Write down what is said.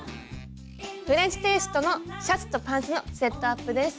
フレンチテイストのシャツとパンツのセットアップです。